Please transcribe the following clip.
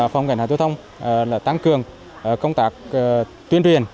phòng cảnh sát giao thông đã tăng cường công tác tuyên truyền